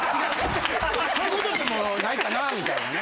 そういう事でももうないかなみたいなね。